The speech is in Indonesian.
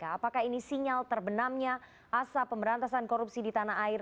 apakah ini sinyal terbenamnya asap pemberantasan korupsi di tanah air